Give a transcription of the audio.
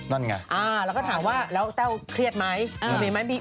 แล้วแกเป็นเรื่องว่าแล้วแกเครียดไหม